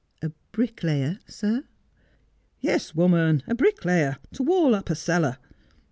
' A bricklayer, sir 1 '' Yes, woman, a bricklayer, to wall up a cellar.